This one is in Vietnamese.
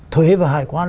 thuế và hải quan